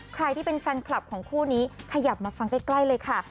ใครที่เป็นแฟนคลับของคู่นี้ขยับมาฟังใกล้เลยค่ะ